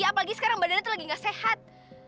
apalagi sekarang badannya tuh lagi gak sehat